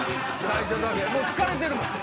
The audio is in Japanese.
もう疲れてるもん。